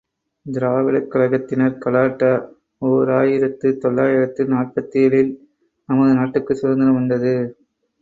திராவிடக் கழகத்தினர் கலாட்டா ஓர் ஆயிரத்து தொள்ளாயிரத்து நாற்பத்தேழு ல், நமது நாட்டுக்குச் சுதந்திரம் வந்தது.